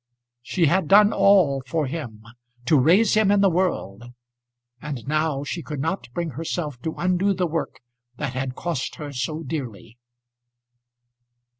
She had done all for him, to raise him in the world; and now she could not bring herself to undo the work that had cost her so dearly!